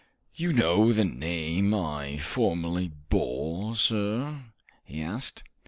"You know the name I formerly bore, sir?" he asked.